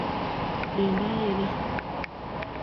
Denda ila